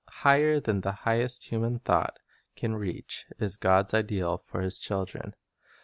Higher than the highest human thought can reach Tbe is God's ideal for His children.